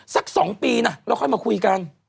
สัก๒ปีนะแล้วค่อยมาคุยกัน